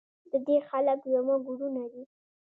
د دې خلک زموږ ورونه دي